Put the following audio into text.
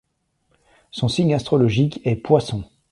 Son signe astrologique est poissons.